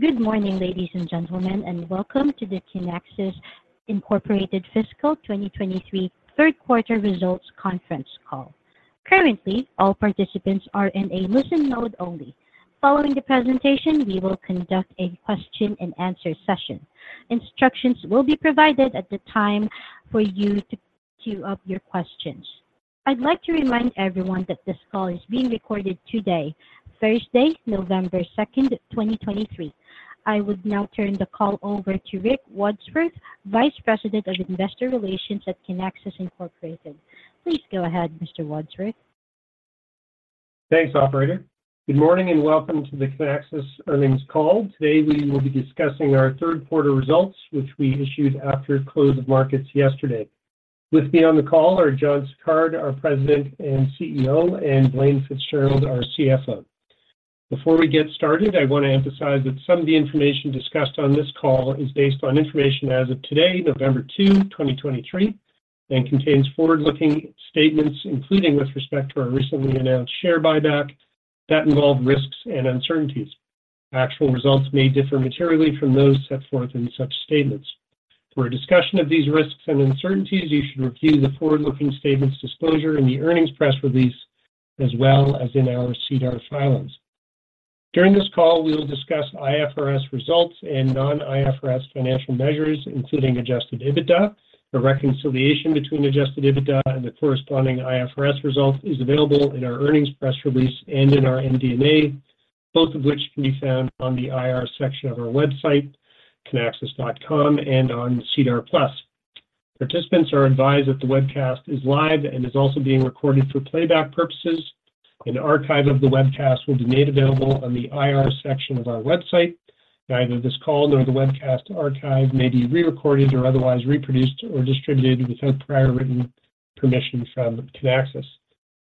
Good morning, ladies and gentlemen, and welcome to the Kinaxis Incorporated Fiscal 2023 Third Quarter Results Conference Call. Currently, all participants are in a listen mode only. Following the presentation, we will conduct a question-and-answer session. Instructions will be provided at the time for you to queue up your questions. I'd like to remind everyone that this call is being recorded today, Thursday, November 2, 2023. I would now turn the call over to Rick Wadsworth, Vice President of Investor Relations at Kinaxis Incorporated. Please go ahead, Mr. Wadsworth. Thanks, operator. Good morning, and welcome to the Kinaxis earnings call. Today, we will be discussing our third quarter results, which we issued after close of markets yesterday. With me on the call are John Sicard, our President and CEO, and Blaine Fitzgerald, our CFO. Before we get started, I want to emphasize that some of the information discussed on this call is based on information as of today, November 2, 2023, and contains forward-looking statements, including with respect to our recently announced share buyback, that involve risks and uncertainties. Actual results may differ materially from those set forth in such statements. For a discussion of these risks and uncertainties, you should review the forward-looking statements disclosure in the earnings press release, as well as in our SEDAR filings. During this call, we will discuss IFRS results and non-IFRS financial measures, including Adjusted EBITDA. A reconciliation between Adjusted EBITDA and the corresponding IFRS result is available in our earnings press release and in our MD&A, both of which can be found on the IR section of our website, kinaxis.com, and on SEDAR+. Participants are advised that the webcast is live and is also being recorded for playback purposes. An archive of the webcast will be made available on the IR section of our website. Neither this call nor the webcast archive may be re-recorded or otherwise reproduced or distributed without prior written permission from Kinaxis.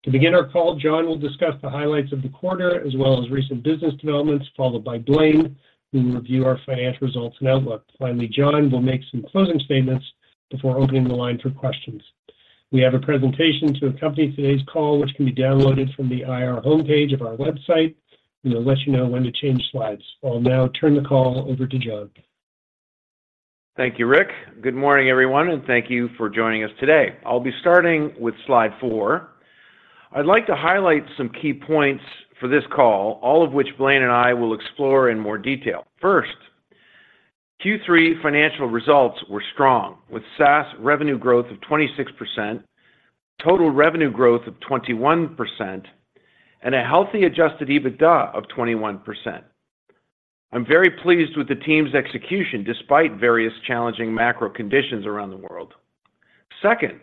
To begin our call, John will discuss the highlights of the quarter, as well as recent business developments, followed by Blaine, who will review our financial results and outlook. Finally, John will make some closing statements before opening the line for questions. We have a presentation to accompany today's call, which can be downloaded from the IR homepage of our website. We will let you know when to change slides. I'll now turn the call over to John. Thank you, Rick. Good morning, everyone, and thank you for joining us today. I'll be starting with slide four. I'd like to highlight some key points for this call, all of which Blaine and I will explore in more detail. First, Q3 financial results were strong, with SaaS revenue growth of 26%, total revenue growth of 21%, and a healthy adjusted EBITDA of 21%. I'm very pleased with the team's execution, despite various challenging macro conditions around the world. Second,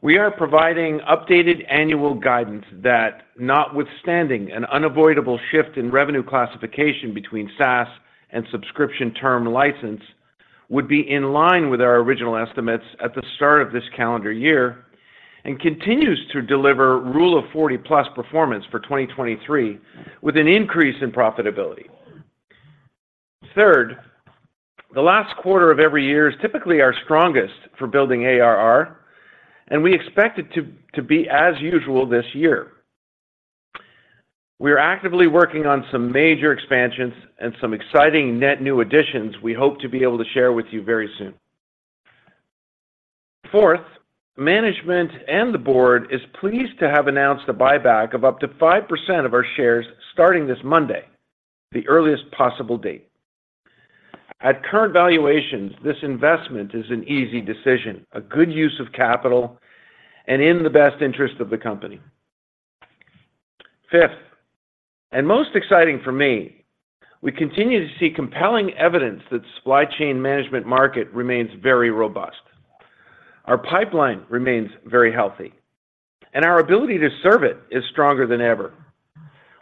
we are providing updated annual guidance that, notwithstanding an unavoidable shift in revenue classification between SaaS and subscription term license, would be in line with our original estimates at the start of this calendar year and continues to deliver Rule of 40+ performance for 2023, with an increase in profitability. Third, the last quarter of every year is typically our strongest for building ARR, and we expect it to be as usual this year. We are actively working on some major expansions and some exciting net new additions we hope to be able to share with you very soon. Fourth, management and the board is pleased to have announced a buyback of up to 5% of our shares starting this Monday, the earliest possible date. At current valuations, this investment is an easy decision, a good use of capital, and in the best interest of the company. Fifth, and most exciting for me, we continue to see compelling evidence that supply chain management market remains very robust. Our pipeline remains very healthy, and our ability to serve it is stronger than ever.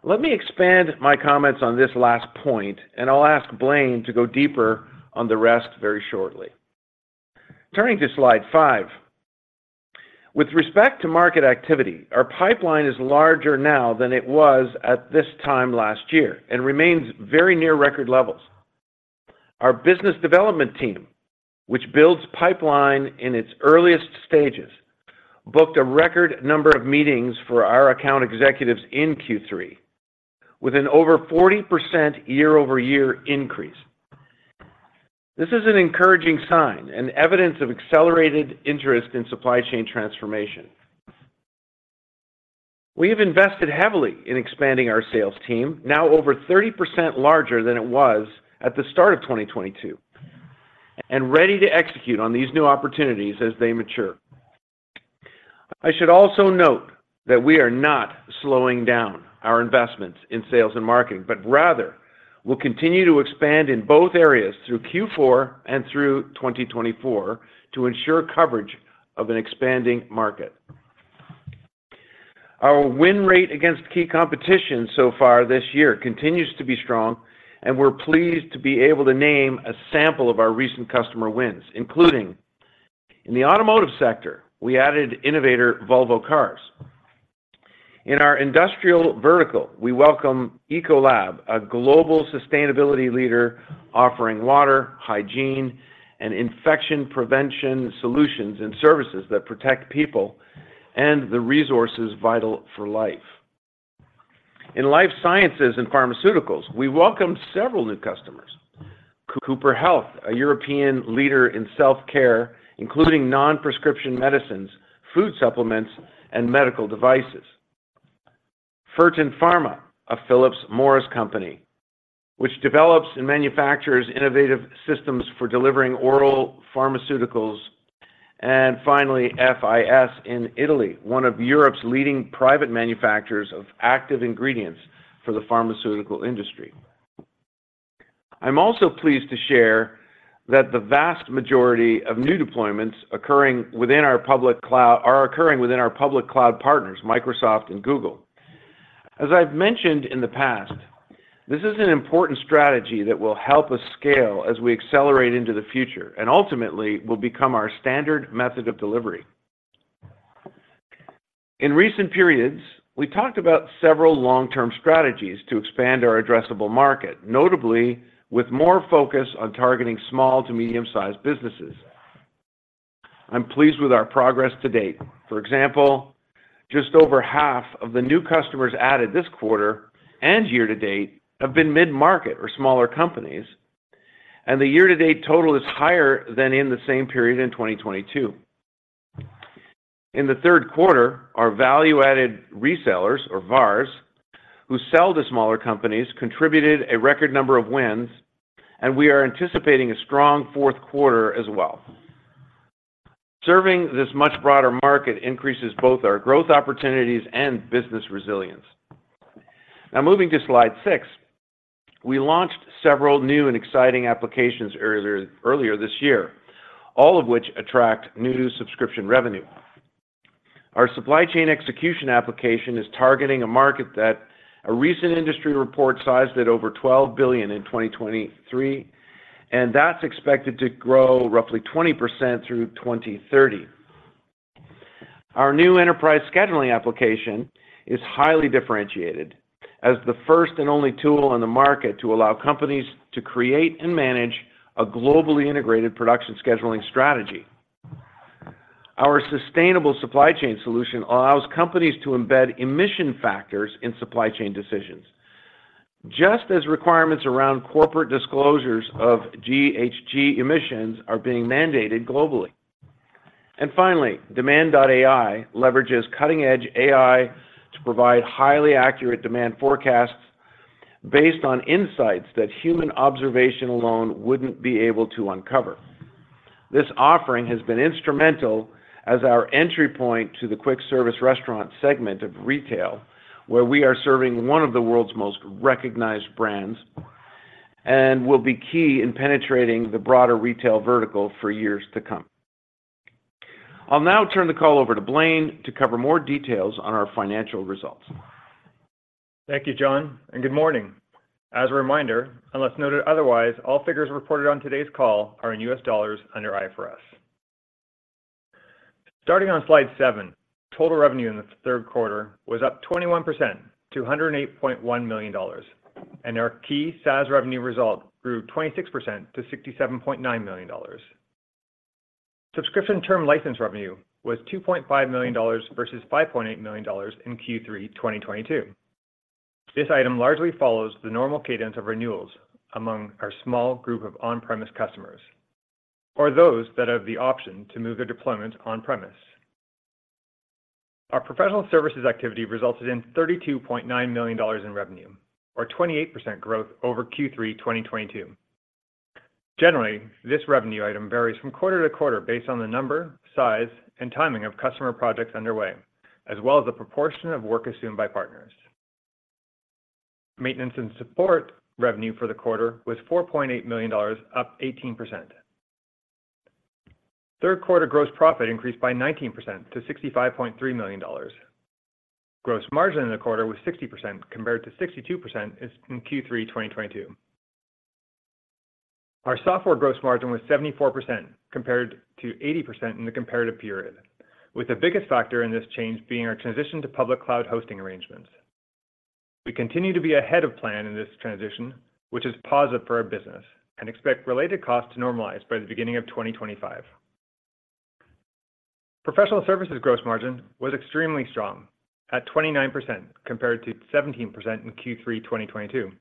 Let me expand my comments on this last point, and I'll ask Blaine to go deeper on the rest very shortly. Turning to slide five. With respect to market activity, our pipeline is larger now than it was at this time last year and remains very near record levels. Our business development team, which builds pipeline in its earliest stages, booked a record number of meetings for our account executives in Q3, with an over 40% year-over-year increase. This is an encouraging sign and evidence of accelerated interest in supply chain transformation. We have invested heavily in expanding our sales team, now over 30% larger than it was at the start of 2022, and ready to execute on these new opportunities as they mature. I should also note that we are not slowing down our investments in sales and marketing, but rather will continue to expand in both areas through Q4 and through 2024 to ensure coverage of an expanding market. Our win rate against key competition so far this year continues to be strong, and we're pleased to be able to name a sample of our recent customer wins, including: in the automotive sector, we added innovator Volvo Cars. In our industrial vertical, we welcome Ecolab, a global sustainability leader offering water, hygiene, and infection prevention solutions and services that protect people and the resources vital for life. In life sciences and pharmaceuticals, we welcome several new customers. Cooper, a European leader in self-care, including non-prescription medicines, food supplements, and medical devices. Fertin Pharma, a Philip Morris company, which develops and manufactures innovative systems for delivering oral pharmaceuticals. Finally, FIS in Italy, one of Europe's leading private manufacturers of active ingredients for the pharmaceutical industry. I'm also pleased to share that the vast majority of new deployments occurring within our public cloud are occurring within our public cloud partners, Microsoft and Google. As I've mentioned in the past, this is an important strategy that will help us scale as we accelerate into the future, and ultimately will become our standard method of delivery. In recent periods, we talked about several long-term strategies to expand our addressable market, notably with more focus on targeting small- to medium-sized businesses. I'm pleased with our progress to date. For example, just over half of the new customers added this quarter and year to date have been mid-market or smaller companies, and the year-to-date total is higher than in the same period in 2022. In the third quarter, our value-added resellers, or VARs, who sell to smaller companies, contributed a record number of wins, and we are anticipating a strong fourth quarter as well. Serving this much broader market increases both our growth opportunities and business resilience. Now, moving to slide six, we launched several new and exciting applications earlier this year, all of which attract new subscription revenue. Our supply chain execution application is targeting a market that a recent industry report sized at over $12 billion in 2023, and that's expected to grow roughly 20% through 2030. Our new enterprise scheduling application is highly differentiated as the first and only tool on the market to allow companies to create and manage a globally integrated production scheduling strategy. Our sustainable supply chain solution allows companies to embed emission factors in supply chain decisions, just as requirements around corporate disclosures of GHG emissions are being mandated globally. And finally, Demand.AI leverages cutting-edge AI to provide highly accurate demand forecasts based on insights that human observation alone wouldn't be able to uncover. This offering has been instrumental as our entry point to the quick service restaurant segment of retail, where we are serving one of the world's most recognized brands and will be key in penetrating the broader retail vertical for years to come. I'll now turn the call over to Blaine to cover more details on our financial results. Thank you, John, and good morning. As a reminder, unless noted otherwise, all figures reported on today's call are in U.S. dollars under IFRS. Starting on slide seven, total revenue in the third quarter was up 21% to $108.1 million, and our key SaaS revenue result grew 26% to $67.9 million. Subscription term license revenue was $2.5 million versus $5.8 million in Q3 2022. This item largely follows the normal cadence of renewals among our small group of on-premise customers or those that have the option to move their deployment on-premise. Our professional services activity resulted in $32.9 million in revenue, or 28% growth over Q3 2022. Generally, this revenue item varies from quarter to quarter based on the number, size, and timing of customer projects underway, as well as the proportion of work assumed by partners. Maintenance and support revenue for the quarter was $4.8 million, up 18%. Third quarter gross profit increased by 19% to $65.3 million. Gross margin in the quarter was 60%, compared to 62% in Q3 2022. Our software gross margin was 74%, compared to 80% in the comparative period, with the biggest factor in this change being our transition to public cloud hosting arrangements. We continue to be ahead of plan in this transition, which is positive for our business, and expect related costs to normalize by the beginning of 2025. Professional services gross margin was extremely strong at 29%, compared to 17% in Q3 2022,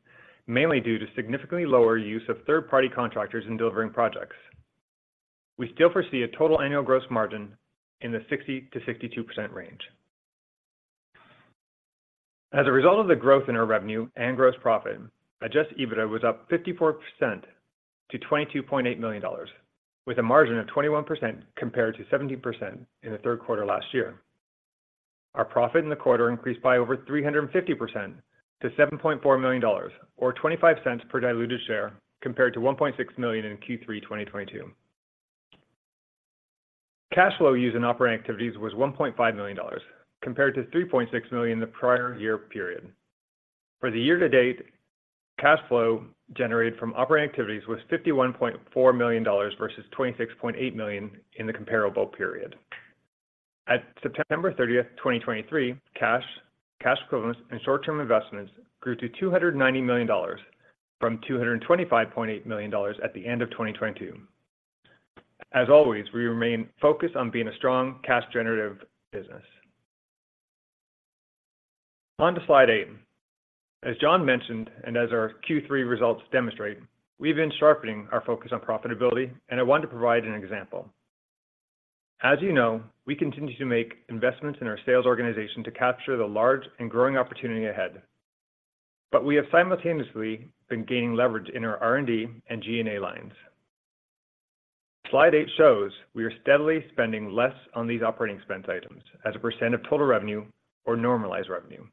mainly due to significantly lower use of third-party contractors in delivering projects. We still foresee a total annual gross margin in the 60%-62% range. As a result of the growth in our revenue and gross profit, Adjusted EBITDA was up 54% to $22.8 million, with a margin of 21%, compared to 17% in the third quarter last year. Our profit in the quarter increased by over 350% to $7.4 million, or 25 cents per diluted share, compared to $1.6 million in Q3 2022. Cash flow use in operating activities was $1.5 million, compared to $3.6 million in the prior year period. For the year to date, cash flow generated from operating activities was $51.4 million versus $26.8 million in the comparable period. At September 30th, 2023, cash, cash equivalents, and short-term investments grew to $290 million from $225.8 million at the end of 2022. As always, we remain focused on being a strong cash generative business. On to slide eight. As John mentioned, and as our Q3 results demonstrate, we've been sharpening our focus on profitability, and I want to provide an example. As you know, we continue to make investments in our sales organization to capture the large and growing opportunity ahead, but we have simultaneously been gaining leverage in our R&D and G&A lines. Slide 8 shows we are steadily spending less on these operating expense items as a percent of total revenue or normalized revenue,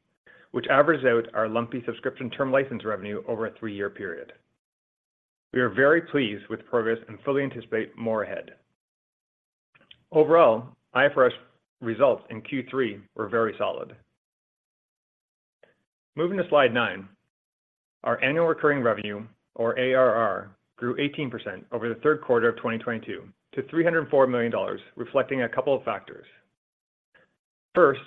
which averages out our lumpy subscription term license revenue over a three-year period. We are very pleased with the progress and fully anticipate more ahead. Overall, IFRS results in Q3 were very solid. Moving to slide nine, our annual recurring revenue, or ARR, grew 18% over the third quarter of 2022 to $304 million, reflecting a couple of factors. First,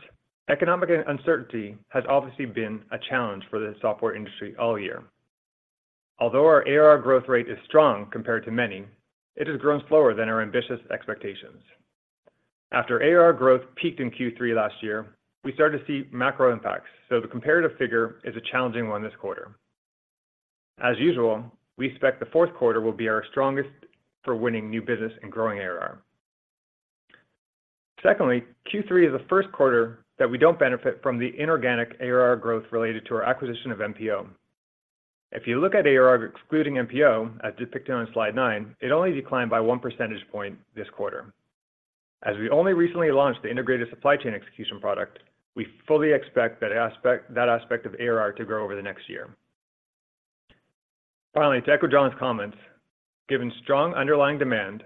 economic uncertainty has obviously been a challenge for the software industry all year. Although our ARR growth rate is strong compared to many, it has grown slower than our ambitious expectations. After ARR growth peaked in Q3 last year, we started to see macro impacts, so the comparative figure is a challenging one this quarter. As usual, we expect the fourth quarter will be our strongest for winning new business and growing ARR. Secondly, Q3 is the first quarter that we don't benefit from the inorganic ARR growth related to our acquisition of MPO. If you look at ARR excluding MPO, as depicted on slide nine, it only declined by 1 percentage point this quarter. As we only recently launched the integrated supply chain execution product, we fully expect that aspect, that aspect of ARR to grow over the next year. Finally, to echo John's comments, given strong underlying demand,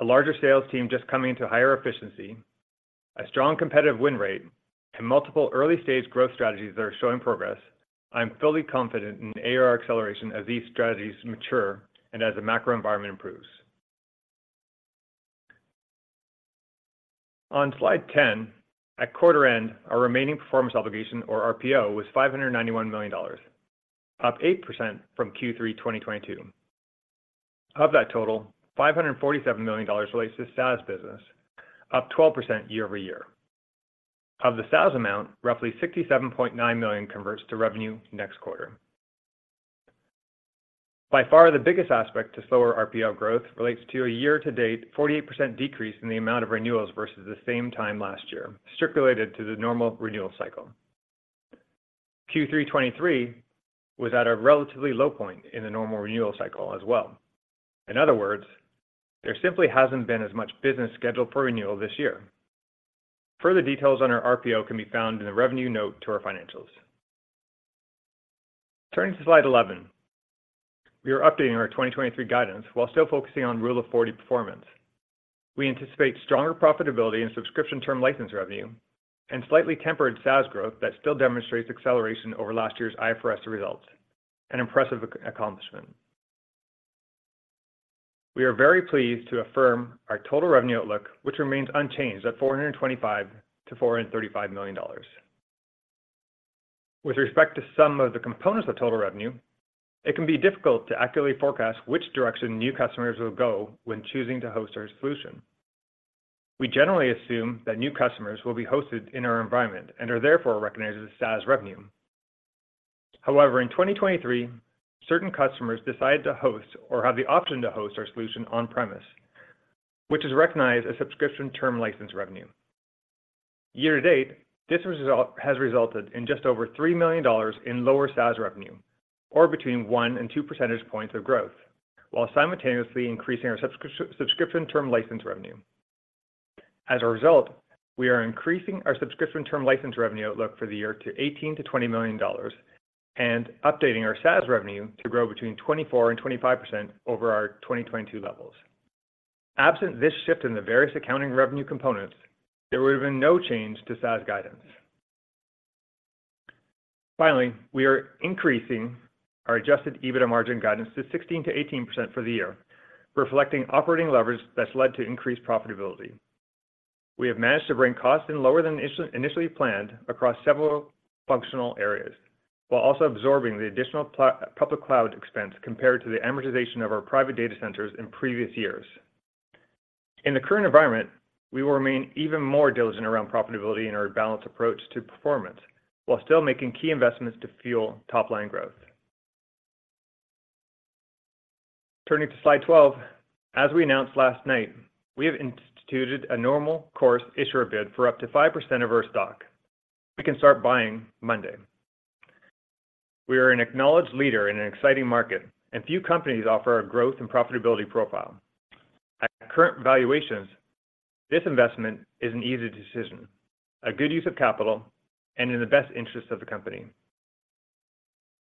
a larger sales team just coming into higher efficiency, a strong competitive win rate, and multiple early-stage growth strategies that are showing progress, I'm fully confident in ARR acceleration as these strategies mature and as the macro environment improves. On slide 10, at quarter end, our remaining performance obligation, or RPO, was $591 million, up 8% from Q3 2022. Of that total, $547 million relates to the SaaS business, up 12% year-over-year. Of the SaaS amount, roughly $67.9 million converts to revenue next quarter. By far, the biggest aspect to slower RPO growth relates to a year-to-date 48% decrease in the amount of renewals versus the same time last year, strictly related to the normal renewal cycle. Q3 2023 was at a relatively low point in the normal renewal cycle as well. In other words, there simply hasn't been as much business scheduled for renewal this year. Further details on our RPO can be found in the revenue note to our financials. Turning to slide 11, we are updating our 2023 guidance while still focusing on Rule of 40 performance. We anticipate stronger profitability in subscription term license revenue and slightly tempered SaaS growth that still demonstrates acceleration over last year's IFRS results, an impressive accomplishment. We are very pleased to affirm our total revenue outlook, which remains unchanged at $425 million to $435 million. With respect to some of the components of total revenue, it can be difficult to accurately forecast which direction new customers will go when choosing to host our solution. We generally assume that new customers will be hosted in our environment and are therefore recognized as SaaS revenue. However, in 2023, certain customers decided to host or have the option to host our solution on-premise, which is recognized as subscription term license revenue. Year to date, this result has resulted in just over $3 million in lower SaaS revenue, or between 1 and 2 percentage points of growth, while simultaneously increasing our subscription term license revenue. As a result, we are increasing our subscription term license revenue outlook for the year to $18 million to $20 million and updating our SaaS revenue to grow between 24% and 25% over our 2022 levels. Absent this shift in the various accounting revenue components, there would have been no change to SaaS guidance. Finally, we are increasing our adjusted EBITDA margin guidance to 16%-18% for the year, reflecting operating leverage that's led to increased profitability. We have managed to bring costs in lower than initially planned across several functional areas, while also absorbing the additional public cloud expense compared to the amortization of our private data centers in previous years. In the current environment, we will remain even more diligent around profitability and our balanced approach to performance, while still making key investments to fuel top-line growth. Turning to slide 12, as we announced last night, we have instituted a normal course issuer bid for up to 5% of our stock. We can start buying Monday. We are an acknowledged leader in an exciting market, and few companies offer our growth and profitability profile. At current valuations, this investment is an easy decision, a good use of capital, and in the best interest of the company.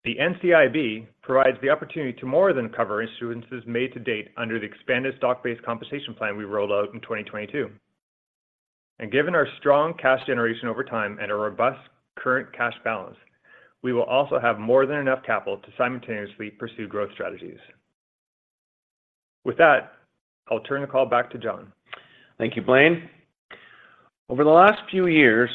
The NCIB provides the opportunity to more than cover issuances made to date under the expanded stock-based compensation plan we rolled out in 2022. Given our strong cash generation over time and a robust current cash balance, we will also have more than enough capital to simultaneously pursue growth strategies. With that, I'll turn the call back to John. Thank you, Blaine. Over the last few years,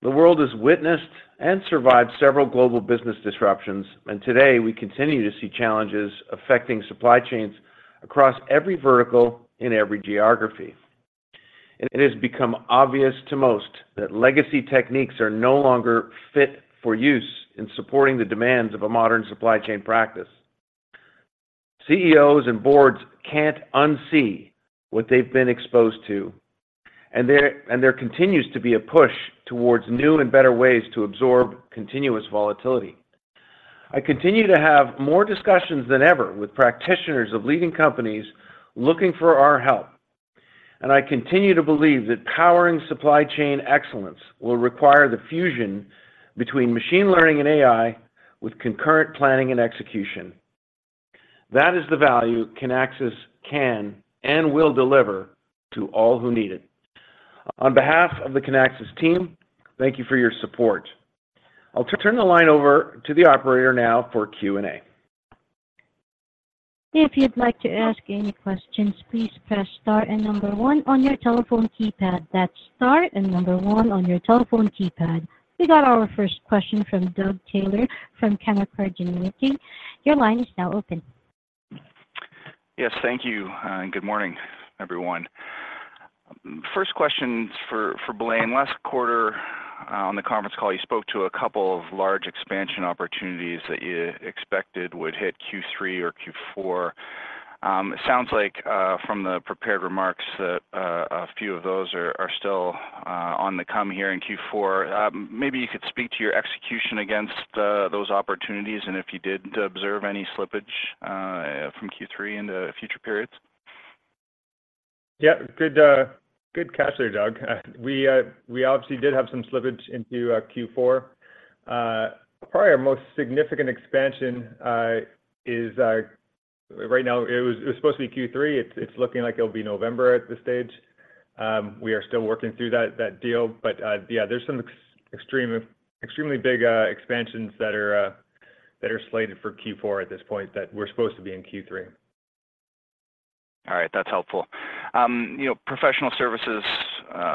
the world has witnessed and survived several global business disruptions, and today, we continue to see challenges affecting supply chains across every vertical in every geography. It has become obvious to most that legacy techniques are no longer fit for use in supporting the demands of a modern supply chain practice. CEOs and boards can't unsee what they've been exposed to, and there, and there continues to be a push towards new and better ways to absorb continuous volatility. I continue to have more discussions than ever with practitioners of leading companies looking for our help, and I continue to believe that powering supply chain excellence will require the fusion between machine learning and AI, with concurrent planning and execution. That is the value Kinaxis can and will deliver to all who need it. On behalf of the Kinaxis team, thank you for your support. I'll turn the line over to the operator now for Q&A. If you'd like to ask any questions, please press star and number one on your telephone keypad. That's star and number one on your telephone keypad. We got our first question from Doug Taylor from Canaccord Genuity. Your line is now open. Yes, thank you, and good morning, everyone. First question's for Blaine. Last quarter, on the conference call, you spoke to a couple of large expansion opportunities that you expected would hit Q3 or Q4. Sounds like, from the prepared remarks, that a few of those are still on the come here in Q4. Maybe you could speak to your execution against those opportunities, and if you did observe any slippage from Q3 into future periods. Yeah, good, good catch there, Doug. We obviously did have some slippage into Q4. Probably our most significant expansion is right now; it was supposed to be Q3. It's looking like it'll be November at this stage. We are still working through that deal, but yeah, there's some extremely big expansions that are slated for Q4 at this point that were supposed to be in Q3. All right. That's helpful. You know, professional services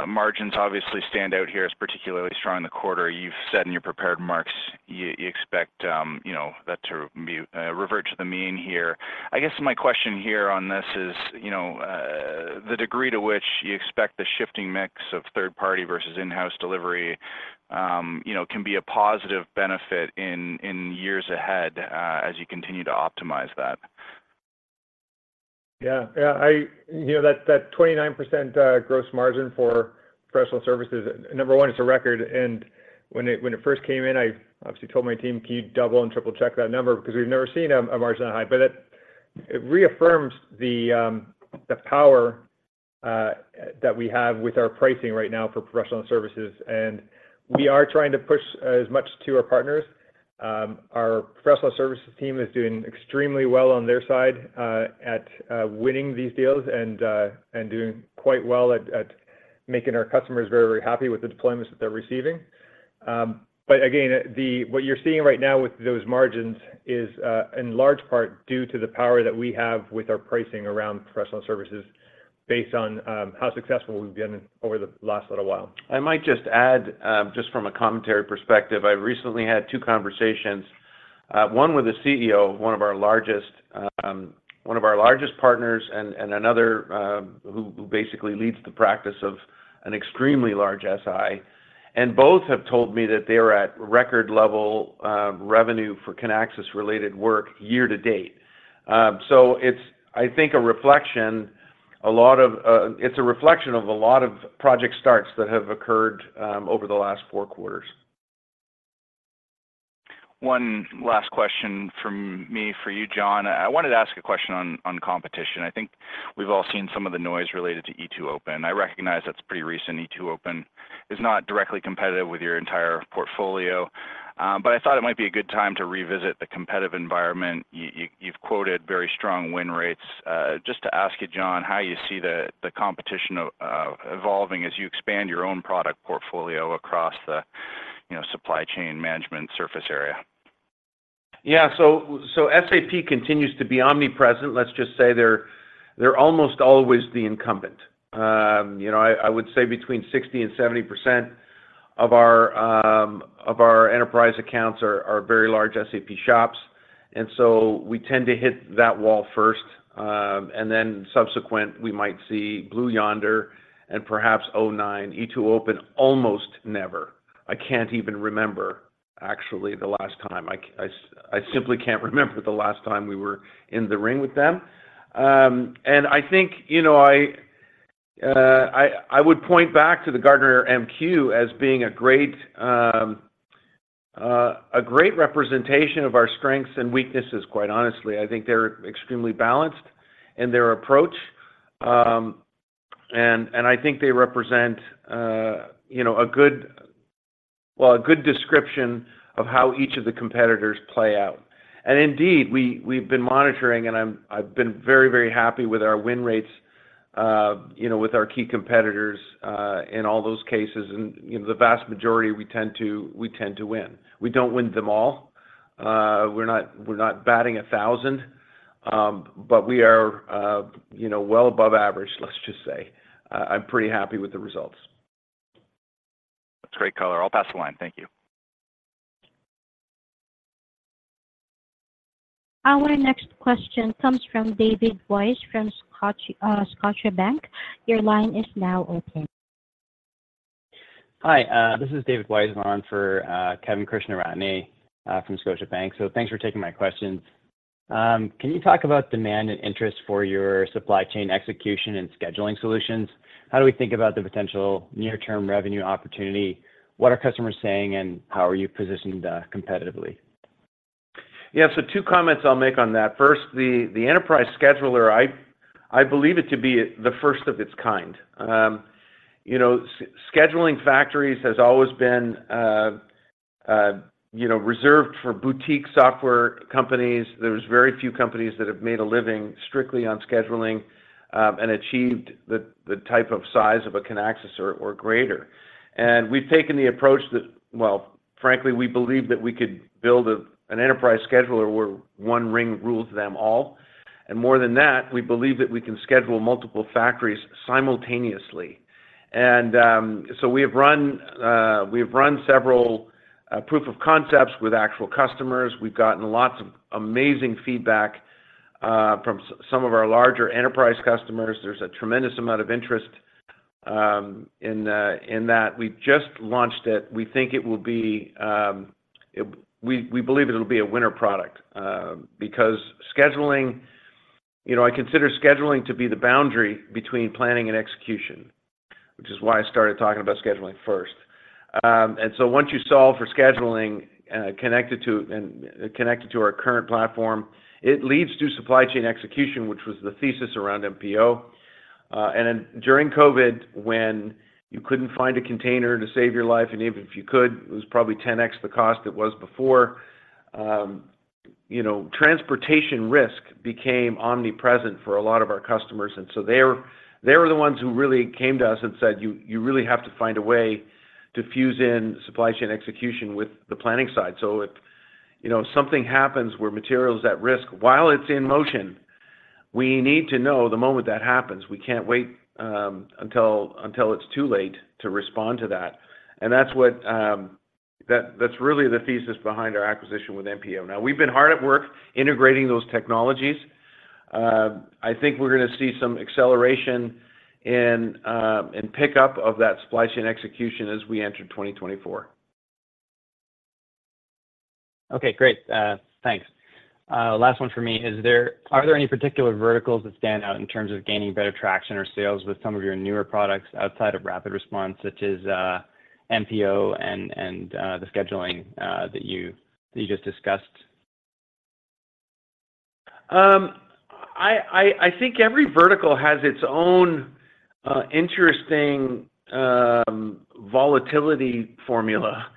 margins obviously stand out here as particularly strong in the quarter. You've said in your prepared remarks, you expect, you know, that to be revert to the mean here. I guess my question here on this is, you know, the degree to which you expect the shifting mix of third party versus in-house delivery, you know, can be a positive benefit in years ahead, as you continue to optimize that. Yeah. Yeah, you know, that 29% gross margin for professional services, number one, it's a record, and when it first came in, I obviously told my team: "Can you double and triple-check that number?" Because we've never seen a margin that high. But it reaffirms the power that we have with our pricing right now for professional services, and we are trying to push as much to our partners. Our professional services team is doing extremely well on their side at winning these deals and doing quite well at making our customers very, very happy with the deployments that they're receiving. But again, what you're seeing right now with those margins is, in large part, due to the power that we have with our pricing around professional services, based on how successful we've been over the last little while. I might just add, just from a commentary perspective, I recently had two conversations, one with a CEO, one of our largest partners, and another, who basically leads the practice of an extremely large SI, and both have told me that they are at record-level revenue for Kinaxis-related work year to date. So it's, I think, a reflection of a lot of project starts that have occurred over the last four quarters. One last question from me for you, John. I wanted to ask a question on competition. I think we've all seen some of the noise related to E2open. I recognize that's pretty recent. E2open is not directly competitive with your entire portfolio, but I thought it might be a good time to revisit the competitive environment. You've quoted very strong win rates. Just to ask you, John, how you see the competition evolving as you expand your own product portfolio across the, you know, supply chain management surface area? Yeah. So SAP continues to be omnipresent. Let's just say they're almost always the incumbent. You know, I would say between 60% and 70% of our enterprise accounts are very large SAP shops, and so we tend to hit that wall first. And then subsequent, we might see Blue Yonder and perhaps o9. E2open, almost never. I can't even remember actually the last time. I simply can't remember the last time we were in the ring with them. And I think, you know, I would point back to the Gartner MQ as being a great representation of our strengths and weaknesses, quite honestly. I think they're extremely balanced in their approach, and I think they represent, you know, a good. Well, a good description of how each of the competitors play out. And indeed, we've been monitoring, and I've been very, very happy with our win rates, you know, with our key competitors, in all those cases, and, you know, the vast majority, we tend to, we tend to win. We don't win them all. We're not, we're not batting a thousand. But we are, you know, well above average, let's just say. I'm pretty happy with the results. That's great, color. I'll pass the line. Thank you. Our next question comes from David Weiss from Scotiabank. Your line is now open. Hi, this is David Weiss. I'm on for Kevin Krishnaraj from Scotiabank. So thanks for taking my questions. Can you talk about demand and interest for your supply chain execution and scheduling solutions? How do we think about the potential near-term revenue opportunity? What are customers saying, and how are you positioned, competitively? Yeah, so two comments I'll make on that. First, the enterprise scheduler, I believe it to be the first of its kind. You know, scheduling factories has always been, you know, reserved for boutique software companies. There's very few companies that have made a living strictly on scheduling and achieved the type of size of a Kinaxis or greater. And we've taken the approach that. Well, frankly, we believe that we could build an enterprise scheduler where one ring rules them all. And more than that, we believe that we can schedule multiple factories simultaneously. And so we have run several proof of concepts with actual customers. We've gotten lots of amazing feedback from some of our larger enterprise customers. There's a tremendous amount of interest in that. We've just launched it. We think it will be, we believe it'll be a winner product, because scheduling, you know, I consider scheduling to be the boundary between planning and execution, which is why I started talking about scheduling first. And so once you solve for scheduling, connected to and connected to our current platform, it leads to supply chain execution, which was the thesis around MPO. And then during COVID, when you couldn't find a container to save your life, and even if you could, it was probably 10x the cost it was before, you know, transportation risk became omnipresent for a lot of our customers. So they were the ones who really came to us and said, "You really have to find a way to fuse in supply chain execution with the planning side." So, you know, if something happens where material is at risk while it's in motion, we need to know the moment that happens. We can't wait until it's too late to respond to that, and that's really the thesis behind our acquisition with MPO. Now, we've been hard at work integrating those technologies. I think we're going to see some acceleration and pickup of that splicing execution as we enter 2024. Okay, great. Thanks. Last one for me. Is there. Are there any particular verticals that stand out in terms of gaining better traction or sales with some of your newer products outside of Rapid Response, such as MPO and the scheduling that you just discussed? I think every vertical has its own, interesting, volatility formula.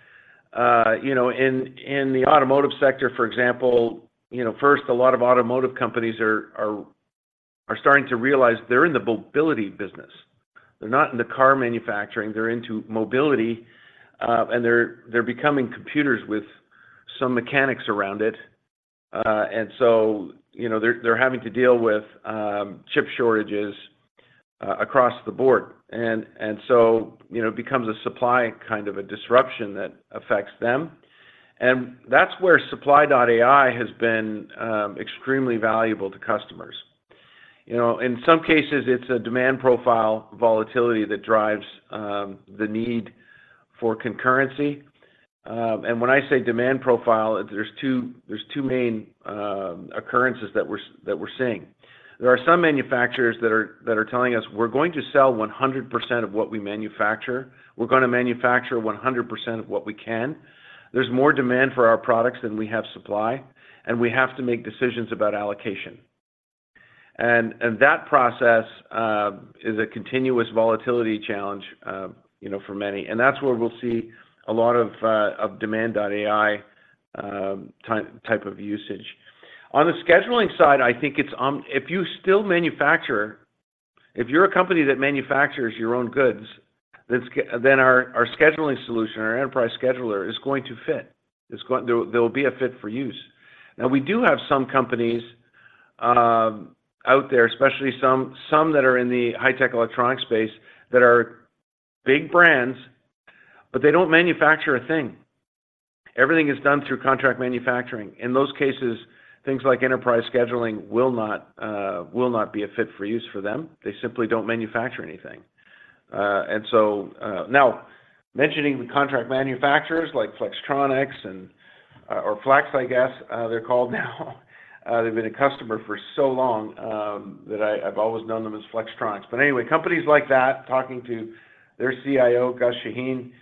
You know, in the automotive sector, for example, you know, first, a lot of automotive companies are starting to realize they're in the mobility business. They're not in the car manufacturing, they're into mobility, and they're becoming computers with some mechanics around it. And so, you know, they're having to deal with chip shortages across the board. And so, you know, it becomes a supply, kind of a disruption that affects them, and that's where Supply.AI has been extremely valuable to customers. You know, in some cases, it's a demand profile volatility that drives the need for concurrency. And when I say demand profile, there's two main occurrences that we're seeing. There are some manufacturers that are telling us, "We're going to sell 100% of what we manufacture. We're going to manufacture 100% of what we can. There's more demand for our products than we have supply, and we have to make decisions about allocation." And that process is a continuous volatility challenge, you know, for many, and that's where we'll see a lot of Demand.AI type of usage. On the scheduling side, I think it's on. If you still manufacture, if you're a company that manufactures your own goods, then then our, our scheduling solution, our enterprise scheduler, is going to fit. It's going. There will be a fit for use. Now, we do have some companies out there, especially some that are in the high-tech electronic space, that are big brands, but they don't manufacture a thing. Everything is done through contract manufacturing. In those cases, things like enterprise scheduling will not be a fit for use for them. They simply don't manufacture anything. And so, now, mentioning the contract manufacturers like Flextronics and or Flex, I guess, they're called now. They've been a customer for so long that I've always known them as Flextronics. But anyway, companies like that, talking to their CIO, Gus Shahin,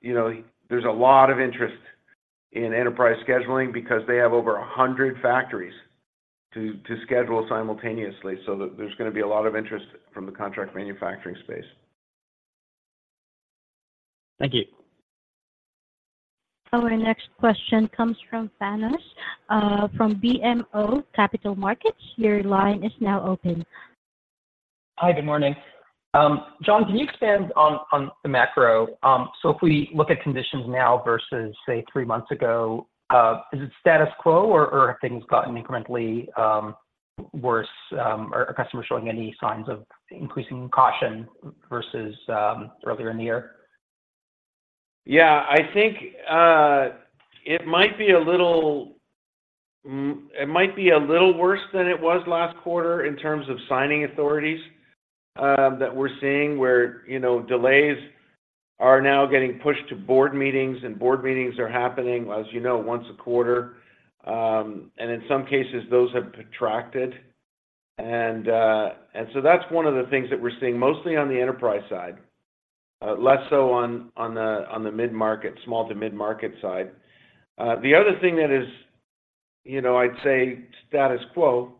you know, there's a lot of interest in enterprise scheduling because they have over 100 factories to schedule simultaneously. So there's going to be a lot of interest from the contract manufacturing space. Thank you. Our next question comes from Thanos, from BMO Capital Markets. Your line is now open. Hi, good morning. John, can you expand on the macro? So if we look at conditions now versus, say, three months ago, is it status quo, or have things gotten incrementally worse? Are customers showing any signs of increasing caution versus earlier in the year? Yeah, I think it might be a little worse than it was last quarter in terms of signing authorities that we're seeing, where, you know, delays are now getting pushed to board meetings, and board meetings are happening, as you know, once a quarter. And in some cases, those have protracted. And so that's one of the things that we're seeing mostly on the enterprise side, less so on the mid-market, small to mid-market side. The other thing that is, you know, I'd say status quo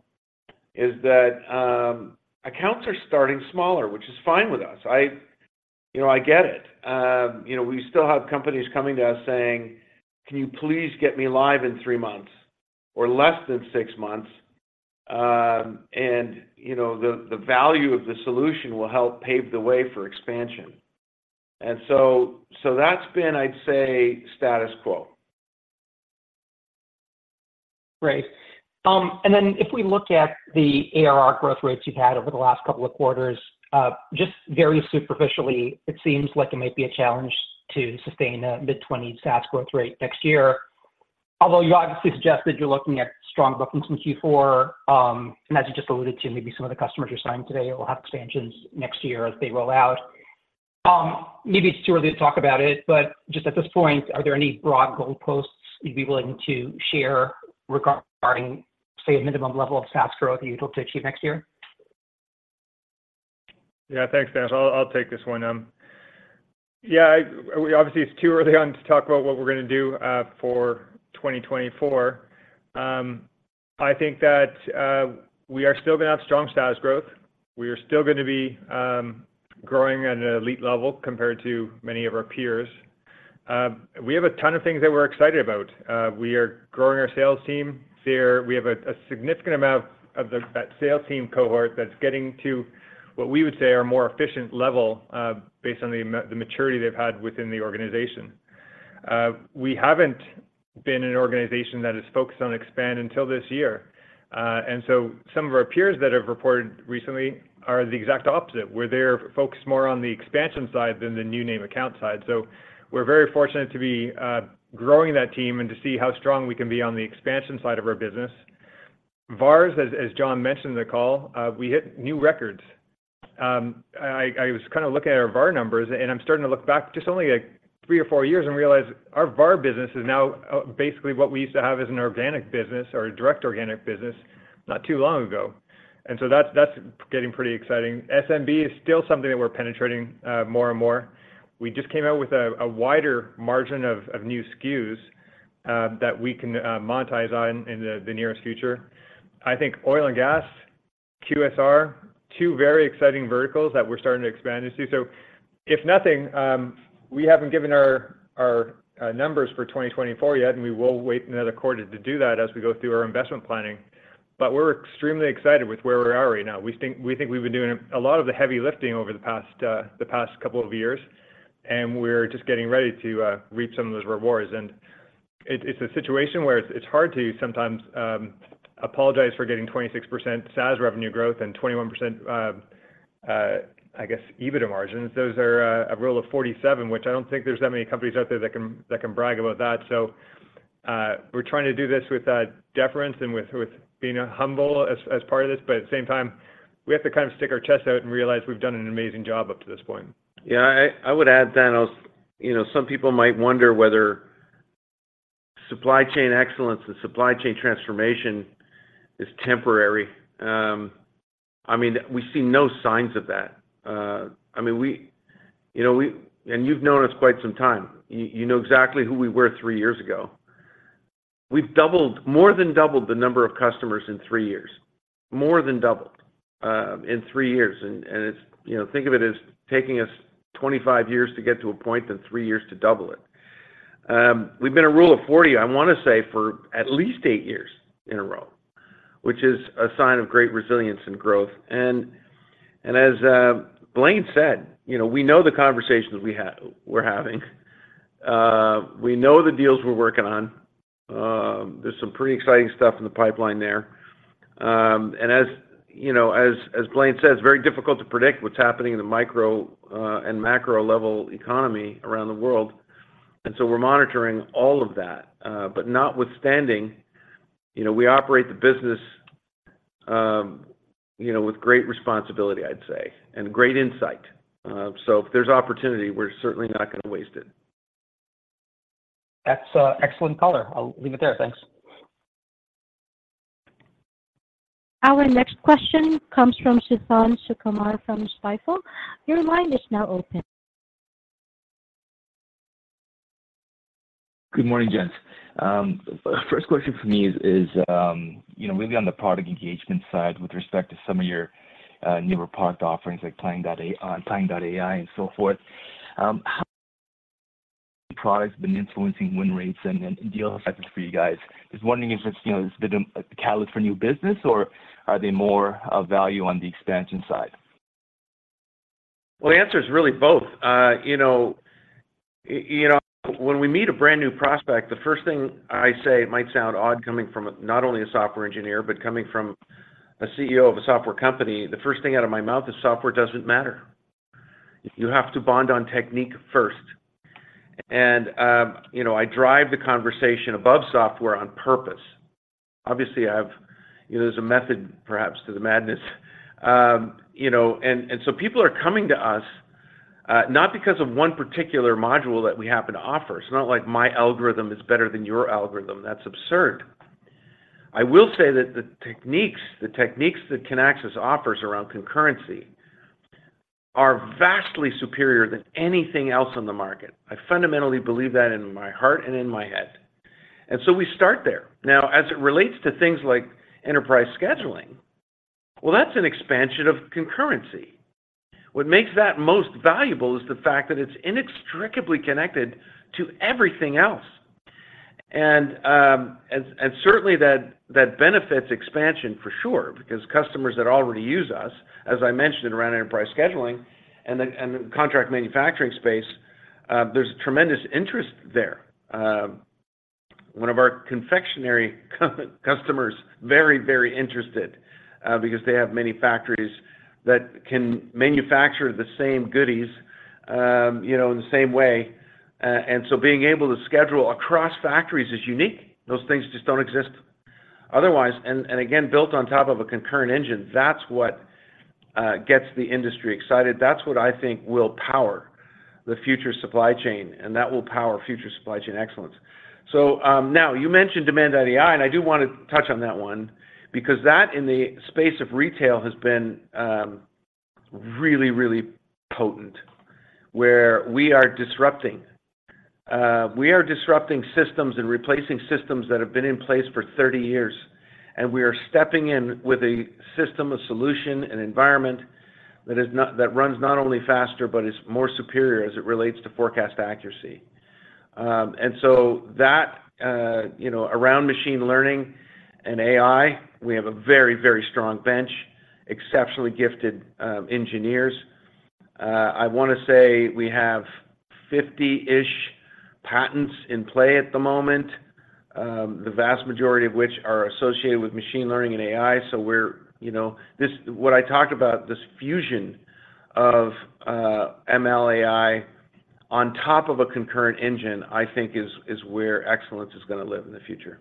is that accounts are starting smaller, which is fine with us. You know, I get it. You know, we still have companies coming to us saying, "Can you please get me live in three months or less than six months?" And, you know, the value of the solution will help pave the way for expansion. And so that's been, I'd say, status quo. Great. And then if we look at the ARR growth rates you've had over the last couple of quarters, just very superficially, it seems like it might be a challenge to sustain a mid-twenties SaaS growth rate next year. Although you obviously suggested you're looking at strong bookings in Q4, and as you just alluded to, maybe some of the customers you're signing today will have expansions next year as they roll out. Maybe it's too early to talk about it, but just at this point, are there any broad goalposts you'd be willing to share regarding, say, a minimum level of SaaS growth you'd hope to achieve next year? Yeah, thanks, John. I'll, I'll take this one. Yeah, obviously, it's too early on to talk about what we're gonna do for 2024. I think that we are still gonna have strong SaaS growth. We are still gonna be growing at an elite level compared to many of our peers. We have a ton of things that we're excited about. We are growing our sales team. So we have a significant amount of that sales team cohort that's getting to what we would say are more efficient level based on the maturity they've had within the organization. We haven't been an organization that is focused on expand until this year. And so some of our peers that have reported recently are the exact opposite, where they're focused more on the expansion side than the new name account side. So we're very fortunate to be growing that team and to see how strong we can be on the expansion side of our business. VARs, as John mentioned in the call, we hit new records. I was kinda looking at our VAR numbers, and I'm starting to look back just only like three or four years and realize our VAR business is now basically what we used to have as an organic business or a direct organic business not too long ago. And so that's getting pretty exciting. SMB is still something that we're penetrating more and more. We just came out with a wider margin of new SKUs that we can monetize on in the nearest future. I think oil and gas, QSR, two very exciting verticals that we're starting to expand into. So if nothing, we haven't given our numbers for 2024 yet, and we will wait another quarter to do that as we go through our investment planning. But we're extremely excited with where we are right now. We think we've been doing a lot of the heavy lifting over the past couple of years, and we're just getting ready to reap some of those rewards. And it's a situation where it's hard to sometimes apologize for getting 26% SaaS revenue growth and 21% EBITDA margins. Those are a rule of 47, which I don't think there's that many companies out there that can, that can brag about that. So, we're trying to do this with deference and with, with being humble as, as part of this, but at the same time, we have to kind of stick our chest out and realize we've done an amazing job up to this point. Yeah, I would add, Thanos, also, you know, some people might wonder whether supply chain excellence and supply chain transformation is temporary. I mean, we see no signs of that. I mean, we, you know, we and you've known us quite some time. You know exactly who we were three years ago. We've doubled, more than doubled the number of customers in three years, more than doubled, in three years. And, and it's. You know, think of it as taking us 25 years to get to a point, then three years to double it. We've been a Rule of 40, I wanna say, for at least eight years in a row, which is a sign of great resilience and growth. And, and as, Blaine said, you know, we know the conversations we're having. We know the deals we're working on. There's some pretty exciting stuff in the pipeline there. And as you know, as Blaine says, very difficult to predict what's happening in the micro, and macro-level economy around the world, and so we're monitoring all of that. But notwithstanding, you know, we operate the business, you know, with great responsibility, I'd say, and great insight. So if there's opportunity, we're certainly not gonna waste it. That's excellent color. I'll leave it there. Thanks. Our next question comes from Suthan Sukumar from Stifel. Your line is now open. Good morning, gents. First question for me is, you know, really on the product engagement side with respect to some of your newer product offerings like Planning.AI and so forth. How products been influencing win rates and deal sizes for you guys? Just wondering if it's, you know, it's been a catalyst for new business, or are they more of value on the expansion side? Well, the answer is really both. You know, you know, when we meet a brand-new prospect, the first thing I say, it might sound odd coming from not only a software engineer, but coming from a CEO of a software company, the first thing out of my mouth is, "Software doesn't matter." You have to bond on technique first. And, you know, I drive the conversation above software on purpose. Obviously, I have. You know, there's a method, perhaps, to the madness. You know, and so people are coming to us, not because of one particular module that we happen to offer. It's not like my algorithm is better than your algorithm. That's absurd. I will say that the techniques, the techniques that Kinaxis offers around concurrency are vastly superior than anything else on the market. I fundamentally believe that in my heart and in my head, and so we start there. Now, as it relates to things like enterprise scheduling, well, that's an expansion of concurrency. What makes that most valuable is the fact that it's inextricably connected to everything else. And certainly that benefits expansion for sure, because customers that already use us, as I mentioned, around enterprise scheduling and then contract manufacturing space, there's tremendous interest there. One of our confectionery customers, very, very interested, because they have many factories that can manufacture the same goodies, you know, in the same way. And so being able to schedule across factories is unique. Those things just don't exist otherwise. And again, built on top of a concurrent engine, that's what gets the industry excited. That's what I think will power the future supply chain, and that will power future supply chain excellence. So, now, you mentioned Demand.ai, and I do want to touch on that one, because that, in the space of retail, has been, really, really potent, where we are disrupting. We are disrupting systems and replacing systems that have been in place for 30 years, and we are stepping in with a system of solution and environment that runs not only faster, but is more superior as it relates to forecast accuracy. And so that, you know, around machine learning and AI, we have a very, very strong bench, exceptionally gifted, engineers. I wanna say we have 50-ish patents in play at the moment, the vast majority of which are associated with machine learning and AI. So we're. You know, this, what I talked about, this fusion of ML/AI on top of a concurrent engine, I think is where excellence is gonna live in the future.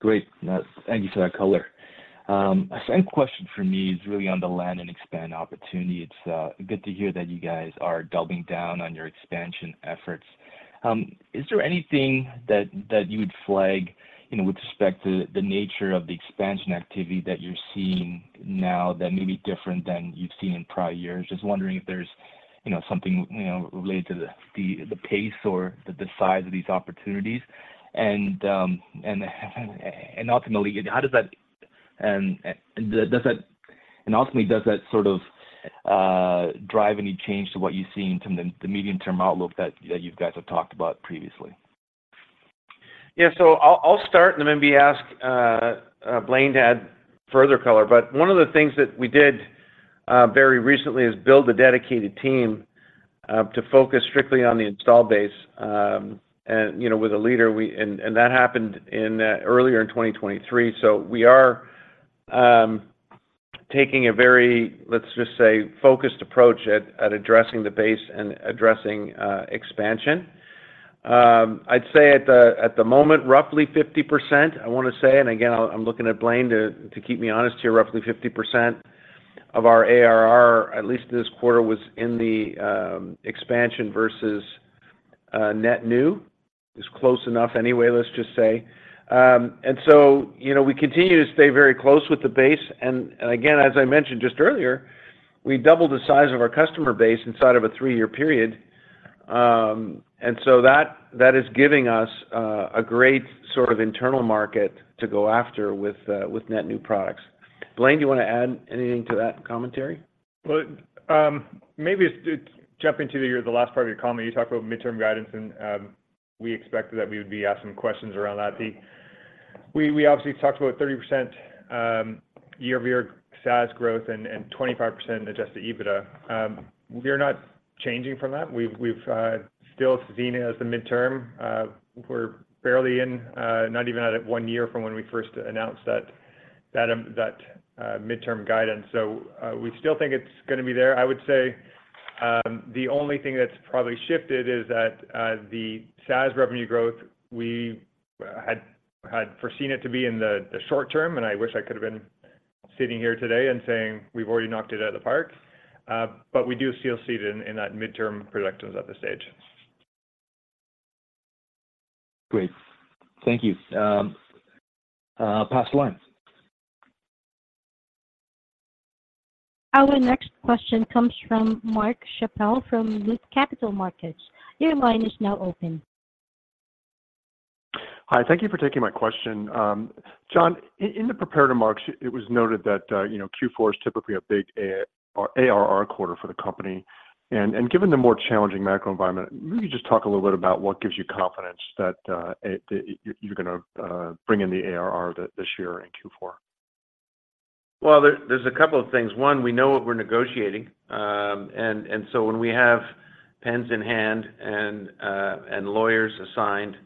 Great. Thank you for that color. A second question from me is really on the land and expand opportunity. It's good to hear that you guys are doubling down on your expansion efforts. Is there anything that you would flag, you know, with respect to the nature of the expansion activity that you're seeing now that may be different than you've seen in prior years? Just wondering if there's, you know, something, you know, related to the pace or the size of these opportunities. And ultimately, does that sort of drive any change to what you've seen from the medium-term outlook that you guys have talked about previously? Yeah, so I'll start and then maybe ask Blaine to add further color. But one of the things that we did very recently is build a dedicated team to focus strictly on the install base, and, you know, with a leader. And that happened earlier in 2023, so we are taking a very, let's just say, focused approach at addressing the base and addressing expansion. I'd say at the moment, roughly 50%, I wanna say, and again, I'm looking at Blaine to keep me honest here, roughly 50% of our ARR, at least this quarter, was in the expansion versus net new. It's close enough anyway, let's just say. And so, you know, we continue to stay very close with the base, and again, as I mentioned just earlier, we doubled the size of our customer base inside of a three-year period. And so that is giving us a great sort of internal market to go after with net new products. Blaine, do you want to add anything to that commentary? Well, maybe it's to jump into the last part of your comment. You talked about midterm guidance, and we expected that we would be asking questions around that. We obviously talked about 30% year-over-year SaaS growth and 25% adjusted EBITDA. We're not changing from that. We've still seen it as the midterm. We're barely in, not even at one year from when we first announced that midterm guidance. So, we still think it's gonna be there. I would say, the only thing that's probably shifted is that, the SaaS revenue growth, we had foreseen it to be in the, the short term, and I wish I could have been sitting here today and saying, "We've already knocked it out of the park." But we do still see it in, in that midterm projections at this stage. Great. Thank you. Pass to line. Our next question comes from Mark Schappel, from Capital Markets. Your line is now open. Hi, thank you for taking my question. John, in the prepared remarks, it was noted that, you know, Q4 is typically a big AR, ARR quarter for the company. And given the more challenging macro environment, maybe just talk a little bit about what gives you confidence that you're gonna bring in the ARR this year in Q4? Well, there, there's a couple of things. One, we know what we're negotiating. And so when we have pens in hand and lawyers assigned,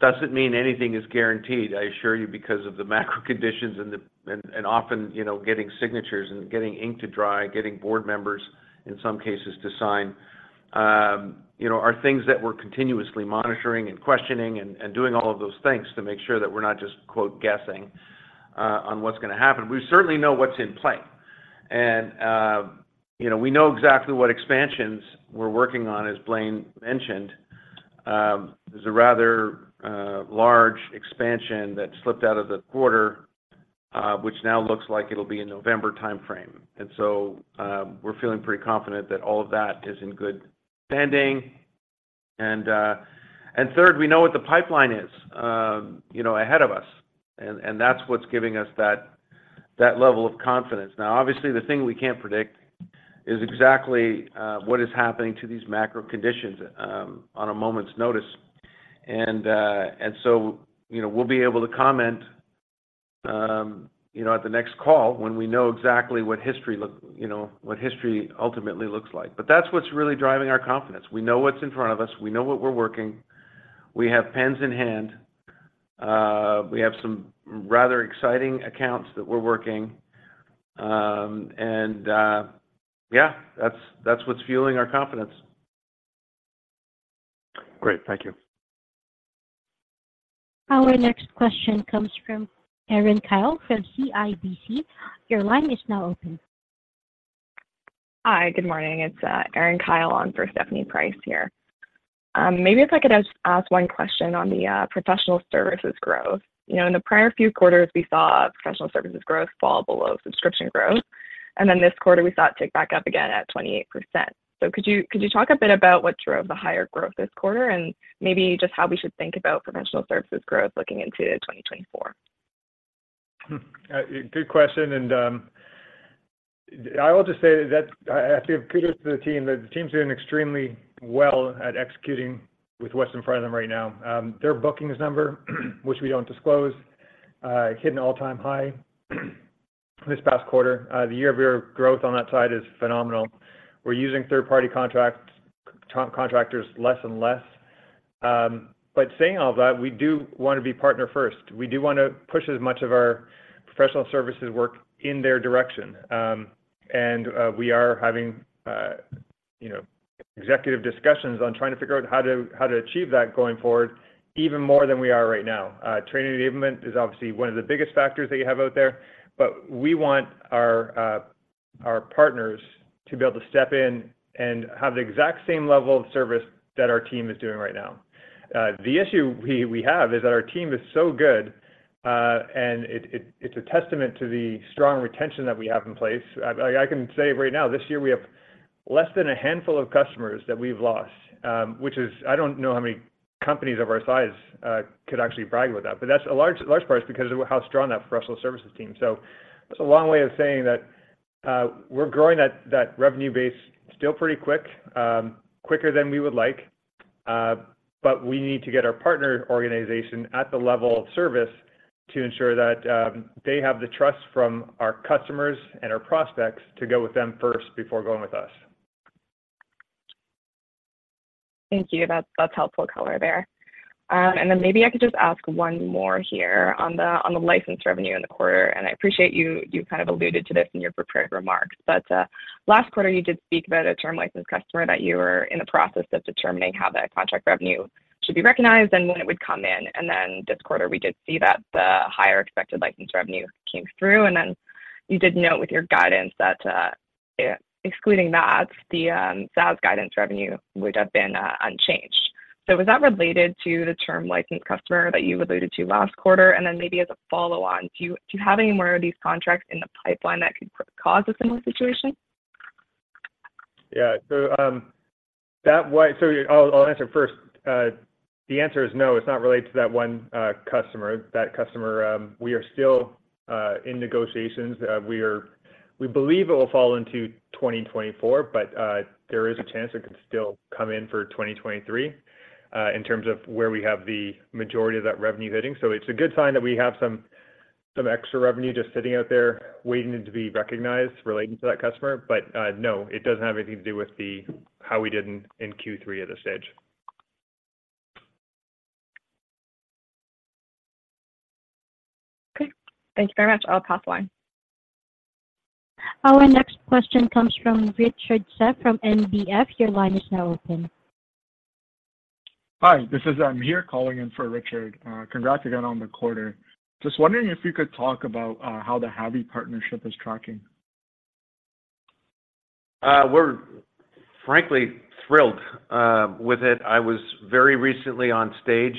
doesn't mean anything is guaranteed, I assure you, because of the macro conditions and often, you know, getting signatures and getting ink to dry, getting board members, in some cases, to sign, you know, are things that we're continuously monitoring and questioning and doing all of those things to make sure that we're not just, quote, guessing on what's gonna happen. We certainly know what's in play. And you know, we know exactly what expansions we're working on, as Blaine mentioned. There's a rather large expansion that slipped out of the quarter, which now looks like it'll be a November timeframe. And so, we're feeling pretty confident that all of that is in good standing. And, and third, we know what the pipeline is, you know, ahead of us, and, and that's what's giving us that, that level of confidence. Now, obviously, the thing we can't predict is exactly, what is happening to these macro conditions, on a moment's notice. And, and so, you know, we'll be able to comment, you know, at the next call when we know exactly what history you know, what history ultimately looks like. But that's what's really driving our confidence. We know what's in front of us, we know what we're working, we have pens in hand, we have some rather exciting accounts that we're working. And, yeah, that's, that's what's fueling our confidence. Great. Thank you. Our next question comes from Erin Kyle from CIBC. Your line is now open. Hi, good morning. It's Erin Kyle on for Stephanie Price here. Maybe if I could ask one question on the professional services growth. You know, in the prior few quarters, we saw professional services growth fall below subscription growth, and then this quarter we saw it tick back up again at 28%. So could you talk a bit about what drove the higher growth this quarter? And maybe just how we should think about professional services growth looking into 2024. Good question, and I will just say that, that I have credits to the team, that the team's doing extremely well at executing with what's in front of them right now. Their bookings number, which we don't disclose, hit an all-time high this past quarter. The year-over-year growth on that side is phenomenal. We're using third-party contractors less and less. But saying all that, we do wanna be partner first. We do wanna push as much of our professional services work in their direction. And we are having, you know, executive discussions on trying to figure out how to achieve that going forward, even more than we are right now. Training enablement is obviously one of the biggest factors that you have out there, but we want our partners to be able to step in and have the exact same level of service that our team is doing right now. The issue we have is that our team is so good, and it's a testament to the strong retention that we have in place. I can say right now, this year, we have less than a handful of customers that we've lost, which is. I don't know how many companies of our size could actually brag with that. But that's a large, large part is because of how strong that professional services team. So that's a long way of saying that we're growing that revenue base still pretty quick, quicker than we would like, but we need to get our partner organization at the level of service to ensure that they have the trust from our customers and our prospects to go with them first before going with us. Thank you. That's, that's helpful color there. And then maybe I could just ask one more here on the, on the license revenue in the quarter, and I appreciate you, you kind of alluded to this in your prepared remarks. But last quarter, you did speak about a term license customer that you were in the process of determining how that contract revenue should be recognized and when it would come in. And then this quarter, we did see that the higher expected license revenue came through, and then you did note with your guidance that, yeah, excluding that, the SaaS guidance revenue would have been unchanged. So was that related to the term license customer that you alluded to last quarter? And then maybe as a follow-on, do you, do you have any more of these contracts in the pipeline that could cause a similar situation? Yeah. So, that one, so I'll, I'll answer first. The answer is no, it's not related to that one, customer. That customer, we are still, in negotiations. We are, we believe it will fall into 2024, but, there is a chance it could still come in for 2023, in terms of where we have the majority of that revenue hitting. So it's a good sign that we have some, some extra revenue just sitting out there waiting to be recognized relating to that customer. But, no, it doesn't have anything to do with the, how we did in, Q3 at this stage. Okay. Thank you very much. I'll pass the line. Our next question comes from Richard Tse from NBF. Your line is now open. Hi, this is Amir calling in for Richard. Congrats again on the quarter. Just wondering if you could talk about how the HAVI partnership is tracking. We're frankly thrilled with it. I was very recently on stage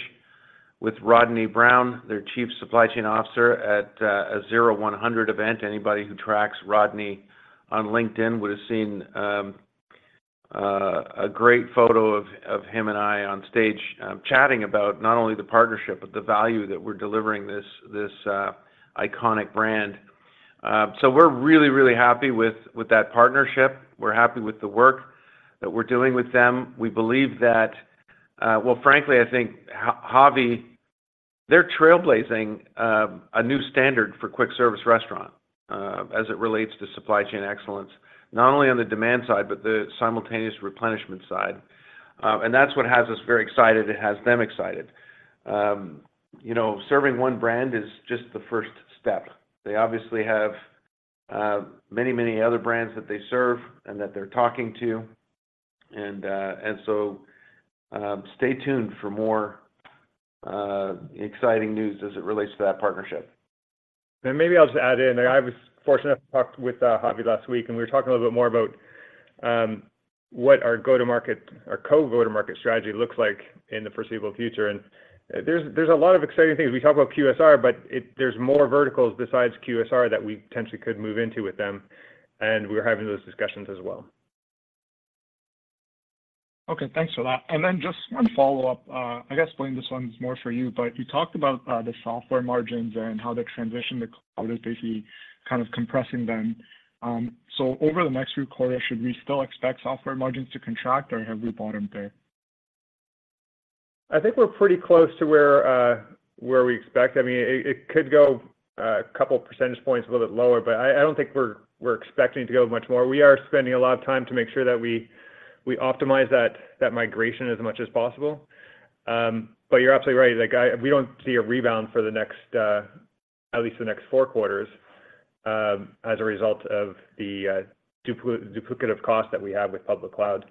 with Rodney Brown, their Chief Supply Chain Officer, at a Zero100 event. Anybody who tracks Rodney on LinkedIn would have seen. A great photo of, of him and I on stage, chatting about not only the partnership, but the value that we're delivering this, this, iconic brand. So we're really, really happy with, with that partnership. We're happy with the work that we're doing with them. We believe that, well, frankly, I think H- Javi, they're trailblazing, a new standard for quick service restaurant, as it relates to supply chain excellence, not only on the demand side, but the simultaneous replenishment side. And that's what has us very excited, it has them excited. You know, serving one brand is just the first step. They obviously have, many, many other brands that they serve and that they're talking to. And, and so, stay tuned for more, exciting news as it relates to that partnership. Maybe I'll just add in. I was fortunate enough to talk with Javi last week, and we were talking a little bit more about what our go-to-market, our co-go-to-market strategy looks like in the foreseeable future. There's a lot of exciting things. We talk about QSR, but there's more verticals besides QSR that we potentially could move into with them, and we're having those discussions as well. Okay, thanks for that. And then just one follow-up. I guess, Blaine, this one's more for you, but you talked about the software margins and how the transition to cloud is basically kind of compressing them. So over the next few quarters, should we still expect software margins to contract, or have we bottomed there? I think we're pretty close to where we expect. I mean, it could go a couple percentage points a little bit lower, but I don't think we're expecting it to go much more. We are spending a lot of time to make sure that we optimize that migration as much as possible. But you're absolutely right. Like, we don't see a rebound for the next at least the next four quarters as a result of the duplicative cost that we have with public cloud.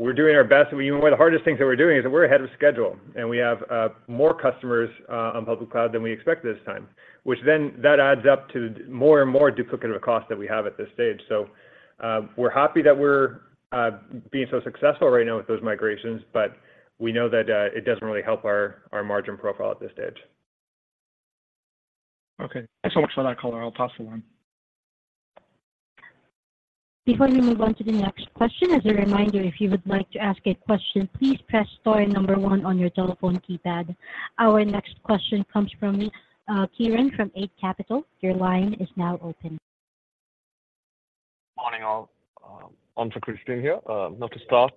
We're doing our best, and one of the hardest things that we're doing is that we're ahead of schedule, and we have more customers on public cloud than we expected this time, which then that adds up to more and more duplicative cost that we have at this stage. So, we're happy that we're being so successful right now with those migrations, but we know that it doesn't really help our margin profile at this stage. Okay. Thanks so much for that, Colin. I'll pass along. Before we move on to the next question, as a reminder, if you would like to ask a question, please press star number one on your telephone keypad. Our next question comes from Kiran from Eight Capital. Your line is now open. Morning, all. On for Christian here. Now to start,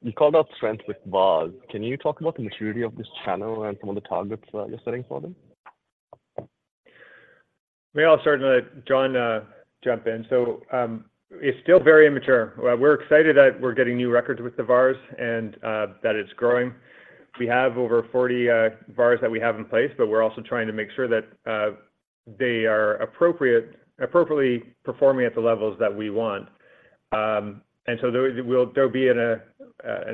you called out strength with VARs. Can you talk about the maturity of this channel and some of the targets you're setting for them? May, I'll start and let John jump in. So, it's still very immature. We're excited that we're getting new records with the VARs and that it's growing. We have over 40 VARs that we have in place, but we're also trying to make sure that they are appropriately performing at the levels that we want. And so there'll be an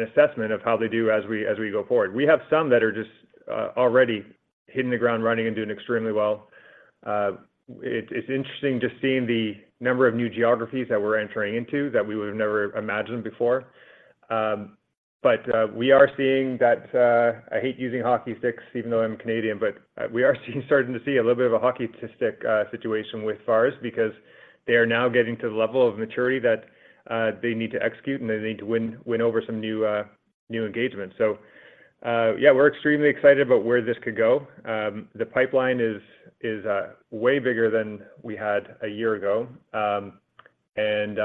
assessment of how they do as we go forward. We have some that are just already hitting the ground running and doing extremely well. It's interesting just seeing the number of new geographies that we're entering into that we would have never imagined before. But we are seeing that. I hate using hockey sticks, even though I'm Canadian, but we are starting to see a little bit of a hockey stick situation with VARs because they are now getting to the level of maturity that they need to execute, and they need to win over some new engagements. So, yeah, we're extremely excited about where this could go. The pipeline is way bigger than we had a year ago, and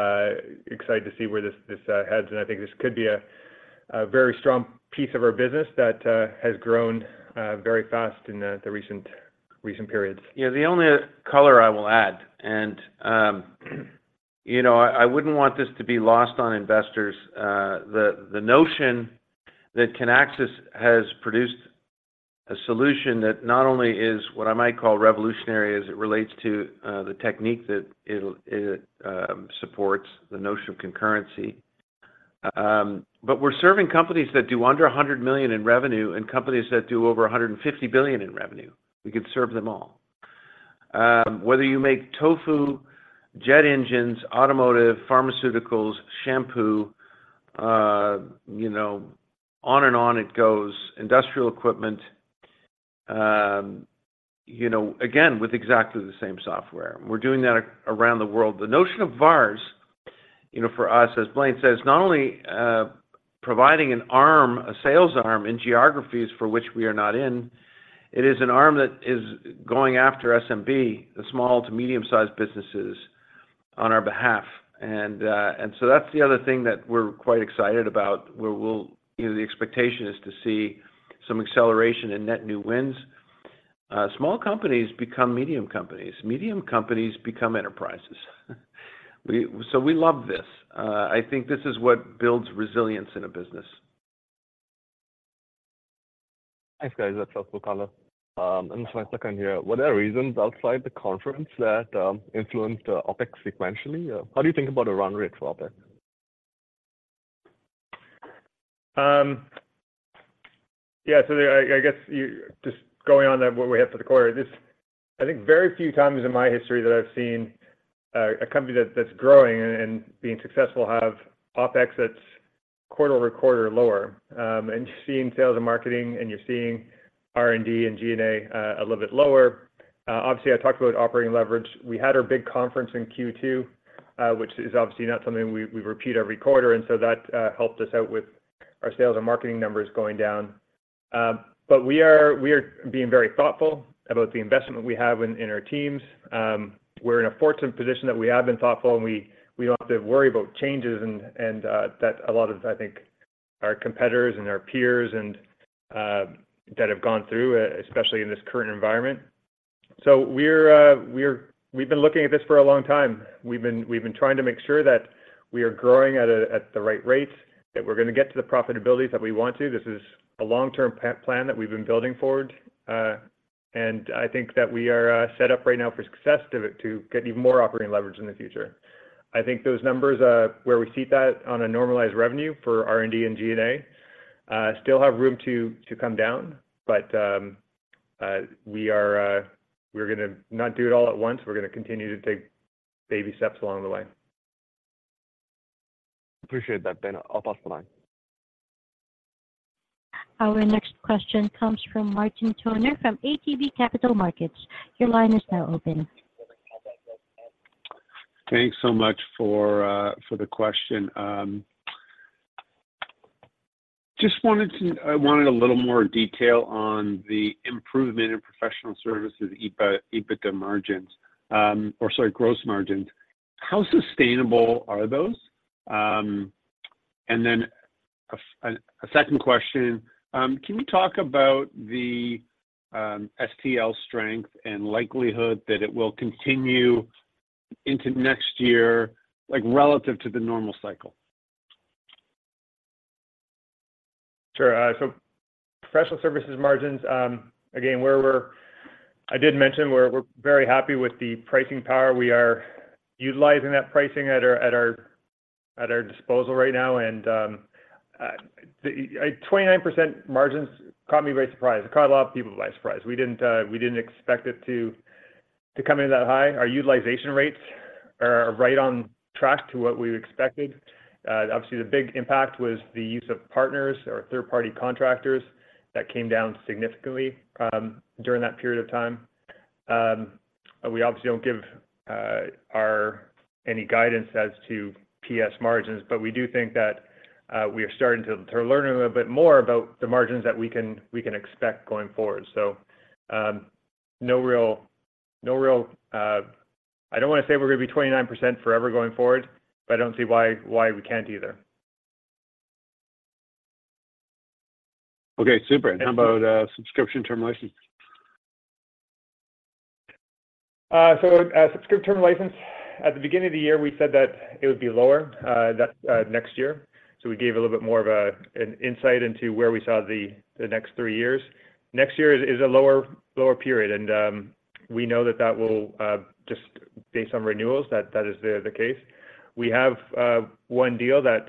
excited to see where this heads, and I think this could be a very strong piece of our business that has grown very fast in the recent periods. Yeah, the only color I will add, and, you know, I wouldn't want this to be lost on investors, the notion that Kinaxis has produced a solution that not only is what I might call revolutionary as it relates to, the technique that it supports, the notion of concurrency. But we're serving companies that do under $100 million in revenue and companies that do over $150 billion in revenue. We could serve them all. Whether you make tofu, jet engines, automotive, pharmaceuticals, shampoo, you know, on and on, it goes. Industrial equipment, you know, again, with exactly the same software. We're doing that around the world. The notion of VARs, you know, for us, as Blaine says, not only providing an arm, a sales arm in geographies for which we are not in, it is an arm that is going after SMB, the small to medium-sized businesses, on our behalf. And, and so that's the other thing that we're quite excited about, where we'll, you know, the expectation is to see some acceleration in net new wins. Small companies become medium companies. Medium companies become enterprises. We. So we love this. I think this is what builds resilience in a business. Thanks, guys. That's helpful color. And so I click on here. Were there reasons outside the conference that influenced OpEx sequentially? How do you think about the run rate for OpEx? Yeah, so I guess you just going on that, what we have for the quarter. This, I think very few times in my history that I've seen a company that's growing and being successful have OpEx that's quarter-over-quarter lower. And you're seeing sales and marketing, and you're seeing R&D and G&A a little bit lower. Obviously, I talked about operating leverage. We had our big conference in Q2, which is obviously not something we repeat every quarter, and so that helped us out with our sales and marketing numbers going down. But we are being very thoughtful about the investment we have in our teams. We're in a fortunate position that we have been thoughtful, and we don't have to worry about changes and that a lot of, I think, our competitors and our peers that have gone through, especially in this current environment. So we've been looking at this for a long time. We've been trying to make sure that we are growing at the right rate, that we're gonna get to the profitability that we want to. This is a long-term plan that we've been building forward. And I think that we are set up right now for success to get even more operating leverage in the future. I think those numbers, where we see that on a normalized revenue for R&D and G&A, still have room to come down, but we're gonna not do it all at once. We're gonna continue to take baby steps along the way. Appreciate that, Blaine. I'll pass the line. Our next question comes from Martin Toner from ATB Capital Markets. Your line is now open. Thanks so much for the question. Just wanted a little more detail on the improvement in professional services, EBITDA margins, or sorry, gross margins. How sustainable are those? And then a second question, can you talk about the STL strength and likelihood that it will continue into next year, like, relative to the normal cycle? Sure. So professional services margins, again, I did mention we're very happy with the pricing power. We are utilizing that pricing at our disposal right now, and the 29% margins caught me by surprise. It caught a lot of people by surprise. We didn't expect it to come in that high. Our utilization rates are right on track to what we expected. Obviously, the big impact was the use of partners or third-party contractors. That came down significantly during that period of time. We obviously don't give any guidance as to PS margins, but we do think that we are starting to learn a little bit more about the margins that we can expect going forward. So, I don't want to say we're gonna be 29% forever going forward, but I don't see why we can't either. Okay, super. Yeah. How about Subscription Term License? So, subscription term license at the beginning of the year, we said that it would be lower next year. So we gave a little bit more of an insight into where we saw the next three years. Next year is a lower period, and we know that, just based on renewals, that is the case. We have one deal that,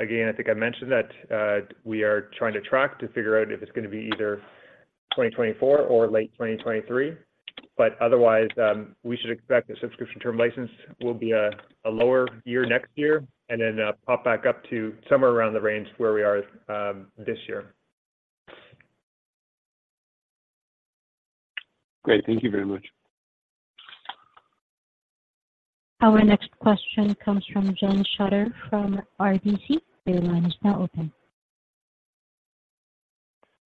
again, I think I mentioned, that we are trying to track to figure out if it's gonna be either 2024 or late 2023. But otherwise, we should expect the subscription term license will be a lower year next year, and then pop back up to somewhere around the range where we are this year. Great. Thank you very much. Our next question comes from John Shutter from RBC. Your line is now open.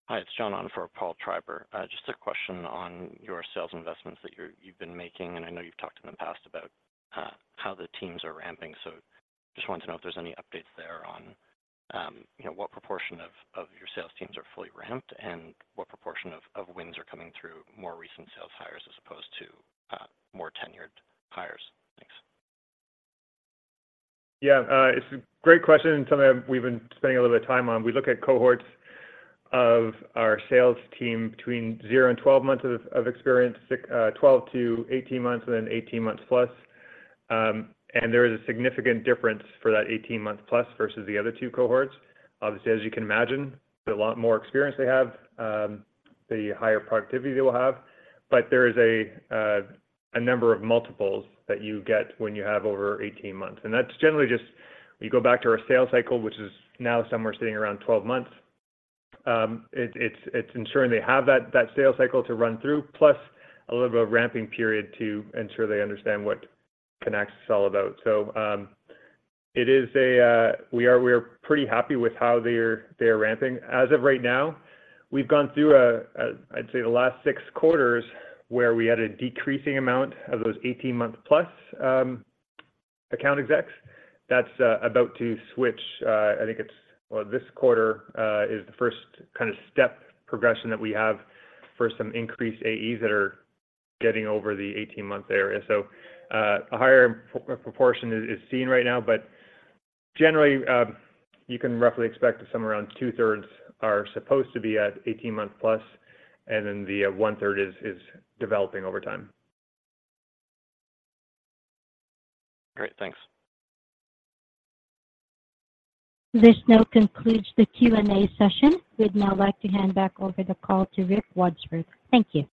Hi, it's John on for Paul Treiber. Just a question on your sales investments that you're- you've been making, and I know you've talked in the past about how the teams are ramping. So just wanted to know if there's any updates there on, you know, what proportion of your sales teams are fully ramped, and what proportion of wins are coming through more recent sales hires, as opposed to more tenured hires? Thanks. Yeah, it's a great question, and something we've been spending a little bit of time on. We look at cohorts of our sales team between zero and 12 months of experience, 12 to 18 months, and then 18 months plus. And there is a significant difference for that 18-month plus versus the other two cohorts. Obviously, as you can imagine, the lot more experience they have, the higher productivity they will have. But there is a number of multiples that you get when you have over 18 months. And that's generally just, we go back to our sales cycle, which is now somewhere sitting around 12 months. It's ensuring they have that sales cycle to run through, plus a little bit of ramping period to ensure they understand what Kinaxis is all about. So, we are pretty happy with how they're ramping. As of right now, we've gone through, I'd say, the last six quarters, where we had a decreasing amount of those 18-month+ account execs. That's about to switch, I think it's. Well, this quarter is the first kind of step progression that we have for some increased AEs that are getting over the 18-month area. So, a higher proportion is seen right now, but generally, you can roughly expect somewhere around two-thirds are supposed to be at 18-month+, and then the one-third is developing over time. Great. Thanks. This now concludes the Q&A session. We'd now like to hand back over the call to Rick Wadsworth. Thank you.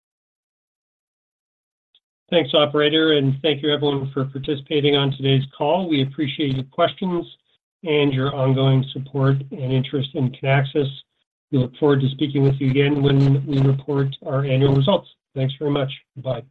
Thanks, operator, and thank you everyone for participating on today's call. We appreciate your questions and your ongoing support and interest in Kinaxis. We look forward to speaking with you again when we report our annual results. Thanks very much. Bye.